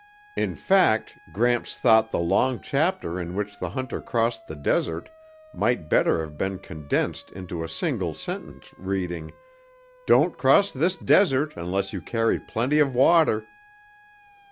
In fact, Gramps thought the long chapter in which the hunter crossed the desert might better have been condensed into a single sentence reading, "Don't cross this desert unless you carry plenty of water."